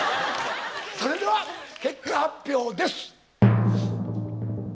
それでは結果発表です。